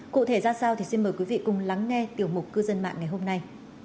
cụ thể ra sao thì xin mời quý vị cùng lắng nghe tiểu mục cư dân mạng ngày hôm nay